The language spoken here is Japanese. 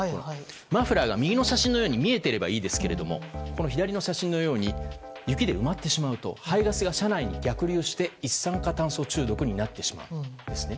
マフラーが右の写真のように見えていればいいんですが左の写真のように雪で埋まってしまうと排ガスが車内に逆流して一酸化炭素中毒になってしまうんです。